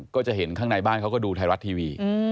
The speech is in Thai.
ก็จะเห็นข้างในบ้านเขาก็ดูไทยรัฐทีวี